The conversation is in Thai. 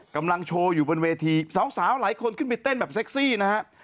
กำลังโชว์อยู่บนเวทีสาวหลายคนขึ้นไปเต้นแบบเซ็กซี่นะฮะ